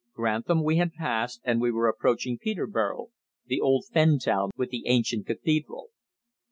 Grantham we had passed and we were approaching Peterborough, the old fen town with the ancient cathedral.